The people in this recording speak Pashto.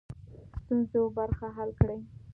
ستونزو برخه حل کړي.